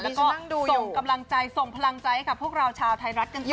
แล้วก็ส่งกำลังใจส่งพลังใจให้กับพวกเราชาวไทยรัฐกันต่อ